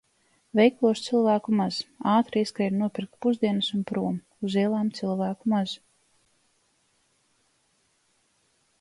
Veikalos cilvēku maz. Ātri ieskrienu nopirkt pusdienas un prom. Uz ielām cilvēku maz.